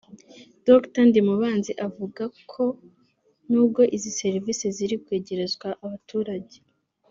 Dr Ndimubanzi avuga ko n’ubwo izi serivise ziri kwegerezwa abaturage